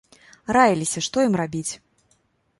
Раіліся, што ім рабіць.